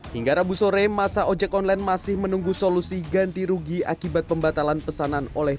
hingga rabu sore masa ojek online masih menunggu solusi ganti rugi akibat pembatalan pesanan oleh